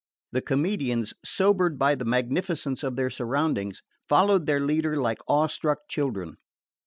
The comedians, sobered by the magnificence of their surroundings, followed their leader like awe struck children.